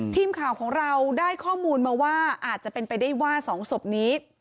ทีมข่าวของเราได้ข้อมูลมาว่าอาจจะเป็นไปได้ว่า๒ศพนี้